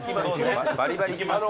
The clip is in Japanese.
バリバリ行きます。